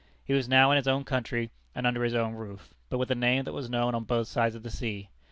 He was now in his own country and under his own roof, but with a name that was known on both sides of the sea.